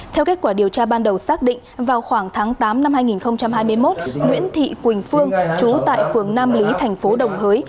theo kết quả điều tra ban đầu xác định vào khoảng tháng tám năm hai nghìn hai mươi một nguyễn thị quỳnh phương chú tại phường nam lý thành phố đồng hới